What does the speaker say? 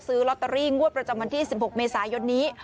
ซื้อลอตเตอรี่งวดประจำวันที่๑๖เมษายนนี้